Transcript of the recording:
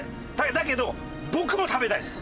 だけど僕も食べたいです。